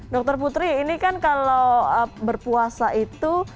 dokter putri ini kan kalau berpuasa itu